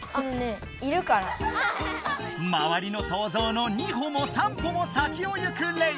まわりのそうぞうの２歩も３歩も先を行くレイ